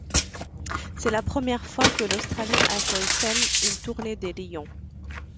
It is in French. C'est la première fois que l'Australie accueille seule une tournée des Lions.